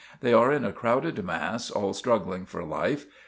They are in a crowded mass, all struggling for life.